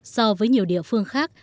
so với nhiều địa phương khác